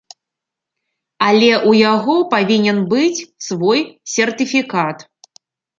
Але ў яго павінен быць свой сертыфікат.